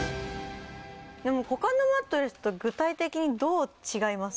でも他のマットレスと具体的にどう違います？